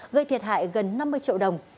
gây thiệt hại gần năm mươi triệu đồng